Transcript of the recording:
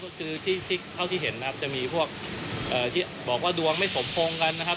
ก็คือที่เท่าที่เห็นนะครับจะมีพวกที่บอกว่าดวงไม่สมพงษ์กันนะครับ